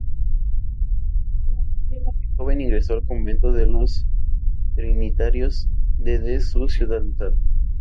De joven ingresó al convento de los trinitarios de de su ciudad natal.